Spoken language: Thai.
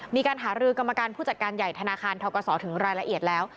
มีการหารือกรรมการผู้จัดการใหญ่ธนาคารทกศถึงรายละเอียดแล้ว